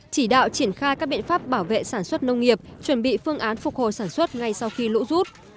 chỉ đạo triển khai các biện pháp bảo vệ sản xuất nông nghiệp chuẩn bị phương án phục hồi sản xuất ngay sau khi lũ rút